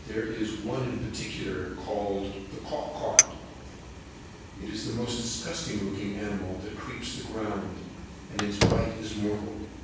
There is one in particular called the cowk cowk; it is the most disgusting looking animal that creeps the ground, and its bite is mortal.